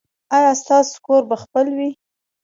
ایا ستاسو کور به خپل وي؟